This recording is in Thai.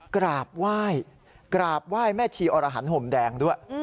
กราบไหว้แม่ชีอรหันธ์ห่มแดงด้วย